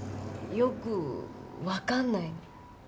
よく分かんないの。